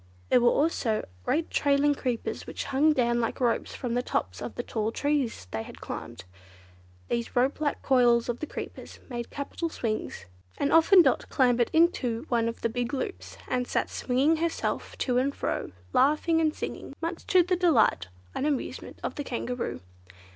There were also great trailing creepers which hung down like ropes from the tops of the tall trees they had climbed. These ropelike coils of the creepers made capital swings, and often Dot clambered into one of the big loops and sat swinging herself to and fro, laughing and singing, much to the delight and amusement of the Kangaroo.